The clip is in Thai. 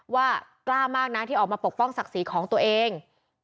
ว่ากล้ามากนะที่ออกมาปกป้องศักดิ์ศรีของตัวเอง